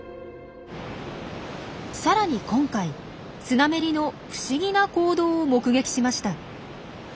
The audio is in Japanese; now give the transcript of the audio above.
さらに今回スナメリの不思議な行動を目撃しました。